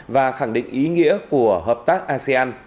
và khẳng định ý nghĩa của hợp tác asean